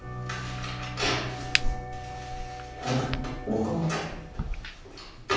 あの僕は？